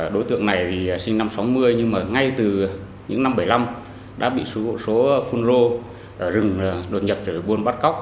đối tượng này sinh năm một nghìn chín trăm sáu mươi nhưng ngay từ những năm một nghìn chín trăm bảy mươi năm đã bị số phun rô rừng đột nhập trở về buôn bắt cóc